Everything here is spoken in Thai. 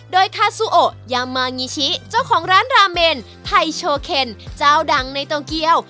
โดยคาซูโอยามางีชิเจ้าของร้านราเมนไทยโชเคนเจ้าดังในโตเกียว